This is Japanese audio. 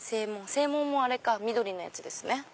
正門もあれか緑のやつですね。